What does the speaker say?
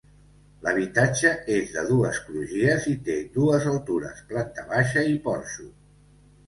L'habitatge és de dues crugies i té dues altures: planta baixa i porxo.